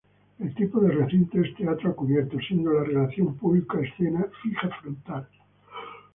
El tipo de recinto es teatro a cubierto, siendo la relación público-escena fija frontal.